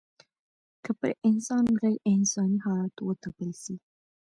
که پر انسان غېر انساني حالات وتپل سي